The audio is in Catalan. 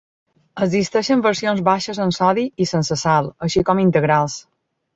Existeixen versions baixes en sodi i sense sal, així com integrals.